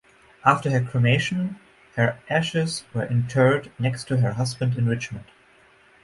After her cremation her ashes were interred next to her husband in Richmond.